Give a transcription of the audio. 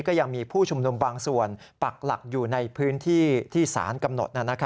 ก็ยังมีผู้ชุมนุมบางส่วนปักหลักอยู่ในพื้นที่ที่สารกำหนด